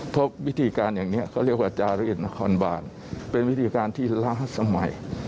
เพราะวิธีการอย่างนี้เขาเรียกว่าจาเรศนครบานเป็นวิธีการที่ล้าสมัย